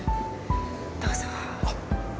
どうぞ。